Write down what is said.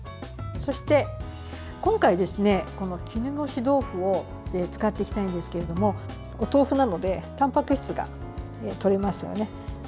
そして今回、絹ごし豆腐を使っていきたいんですけれどもお豆腐なのでたんぱく質がとれますよね。